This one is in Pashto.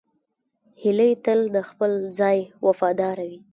هیلۍ تل د خپل ځای وفاداره وي